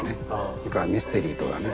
それからミステリーとかね